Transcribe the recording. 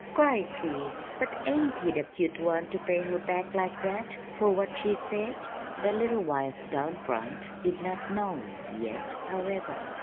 Crickey! But ain't he the cute one to pay her back like that, for what she said?" The little wife down front did not know yet, however.